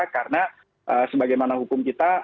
karena sebagaimana hukum kita